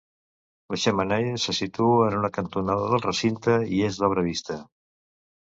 La xemeneia se situa en una cantonada del recinte i és d'obra vista.